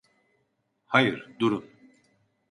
Hayır, durun!